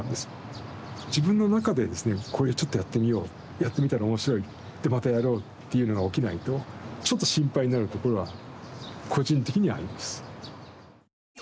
こういうちょっとやってみようやってみたら面白いでまたやろうっていうのが起きないとちょっと心配になるところは個人的にはあります。